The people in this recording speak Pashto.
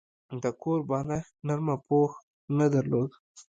د کور بالښت نرمه پوښ نه درلوده.